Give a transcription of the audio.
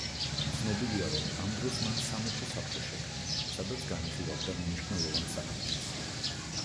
ცნობილია, რომ ამ დროს მან სამეფო საბჭო შექმნა, სადაც განიხილავდა მნიშვნელოვან საქმეებს.